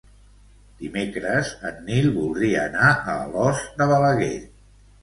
Dimecres en Nil voldria anar a Alòs de Balaguer.